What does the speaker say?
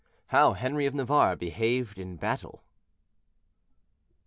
HOW HENRI OF NAVARRE BEHAVED IN BATTLE.